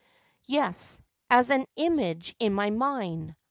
333 ' Yes, as an image in my mind.